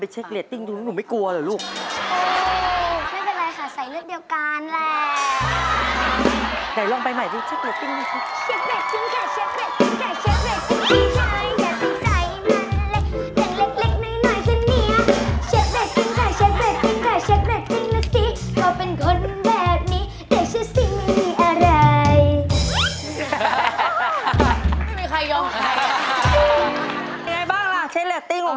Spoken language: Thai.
เช็คเรตติ้ง